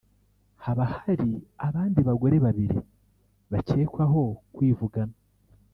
haba hari abandi bagore babiri bakekwaho kwivugana